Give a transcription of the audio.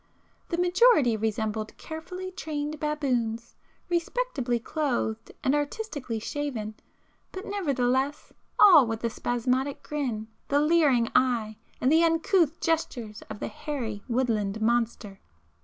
The majority resembled carefully trained baboons,—respectably clothed and artistically shaven,—but nevertheless all with the spasmodic grin, the leering eye and the uncouth gestures of the hairy woodland monster.